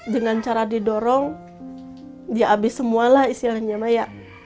dengan cara didorong ya abis semualah istilahnya